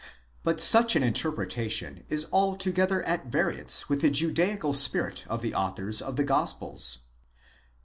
But such an interpretation is altogether at variance with the Judaical spirit of the authors of the Gospels.